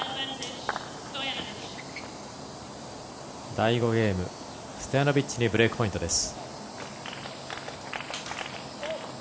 第５ゲームストヤノビッチにブレークポイントです。